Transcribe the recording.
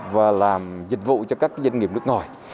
và làm dịch vụ cho các doanh nghiệp nước ngoài